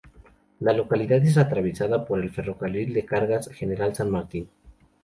La localidad es atravesada por el ferrocarril de cargas General San Martín.